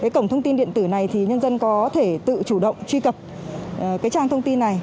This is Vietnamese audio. cổng thông tin điện tử này thì nhân dân có thể tự chủ động truy cập trang thông tin này